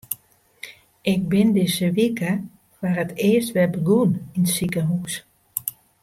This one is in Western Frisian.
Ik bin dizze wike foar it earst wer begûn yn it sikehús.